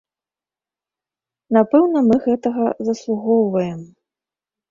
Напэўна, мы гэтага заслугоўваем.